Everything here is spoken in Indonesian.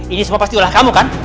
ini semua pasti ulah kamu kan